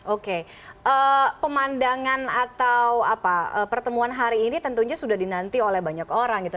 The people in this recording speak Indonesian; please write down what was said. oke pemandangan atau pertemuan hari ini tentunya sudah dinanti oleh banyak orang gitu